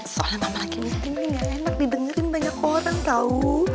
soalnya mama lagi ngerti nih gak enak didengerin banyak orang tau